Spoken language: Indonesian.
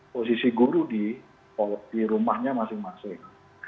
posisi guru di rumahnya masing masing